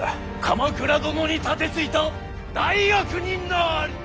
鎌倉殿に盾ついた大悪人なり！